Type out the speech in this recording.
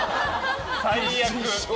最悪！